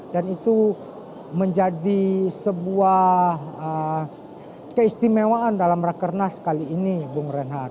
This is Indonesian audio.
dan itu menjadi sebuah keistimewaan dalam rakernas kali ini bung renhard